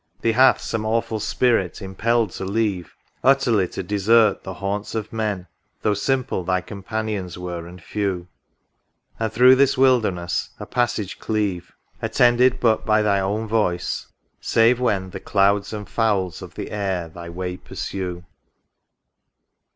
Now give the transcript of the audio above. Thee hath some awful Spirit impelled to leave, Utterly to desert, the haunts of men, Though simple thy companions were and few ; And through this wilderness a passage cleave Attended but by thy own voice, save when The Clouds and Fowls of the air thy way pursue